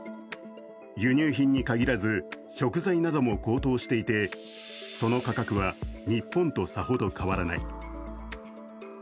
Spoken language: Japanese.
輸入品に限らず食材なども高騰していて、その価格は日本とさほど変わらない。